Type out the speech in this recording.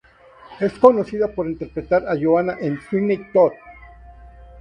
Es conocida por interpretar a Johanna en "Sweeney Todd".